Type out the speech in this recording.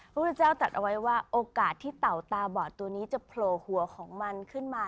พุทธเจ้าตัดเอาไว้ว่าโอกาสที่เต่าตาบอดตัวนี้จะโผล่หัวของมันขึ้นมา